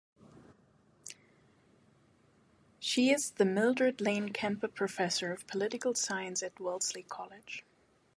She is the Mildred Lane Kemper Professor of Political Science at Wellesley College.